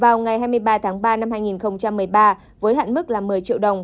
vào ngày hai mươi ba tháng ba năm hai nghìn một mươi ba với hạn mức là một mươi triệu đồng